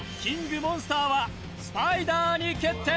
モンスターはスパイダーに決定！